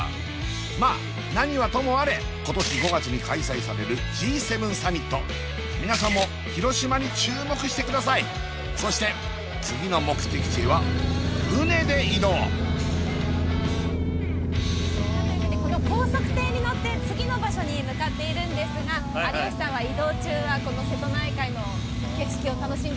まあ何はともあれ今年５月に開催されるＧ７サミット皆さんも広島に注目してくださいそして次の目的地へは船で移動というわけでこの高速艇に乗って次の場所に向かっているんですが有吉さんは移動中はこの瀬戸内海の景色を楽しんでいただけたらと思います